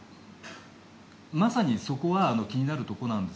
まさにそこは気になるところなんです。